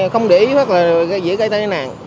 không để ý hoặc là dễ gây tai nạn